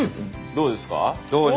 どうですか？